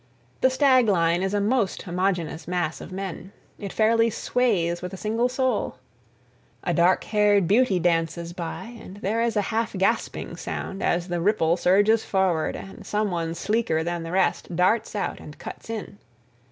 The stag line is a most homogeneous mass of men. It fairly sways with a single soul. A dark haired beauty dances by and there is a half gasping sound as the ripple surges forward and some one sleeker than the rest darts out and cuts in.